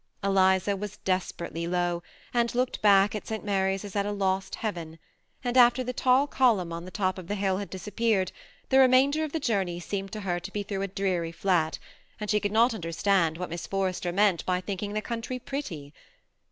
Eliza was desperately low,, and looked back at St. Mary's as at a lost heaven ; and after the tall column on the top of the hill had disappeared, the remainder of the journey seemed to her to be through a dreary flat, and she could not understand what Miss Forrester meant by thinking the country pretty.